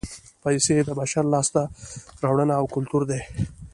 پیسې د بشر لاسته راوړنه او کولتور دی